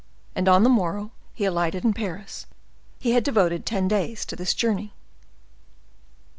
And on the morrow he alighted in Paris. He had devoted ten days to this journey.